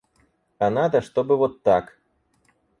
А надо, чтобы вот так...